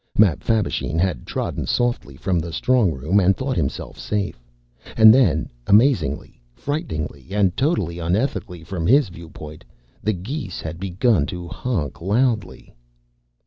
Mapfabvisheen had trodden softly from the strongroom and thought himself safe. And then, amazingly, frighteningly, and totally unethically, from his viewpoint, the geese had begun honking loudly!